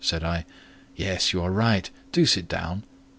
said I. "Yes, you are right: do sit down."